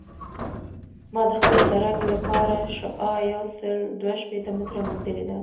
ما د خپل سرک لپاره شعاع یوسل دوه شپیته متره موندلې ده